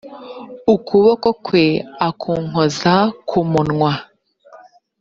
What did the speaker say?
ukuboko kwe akunkoza ku munwa